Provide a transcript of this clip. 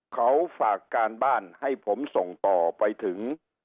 เขาฝากการบ้านให้ผมส่งต่อไปถึง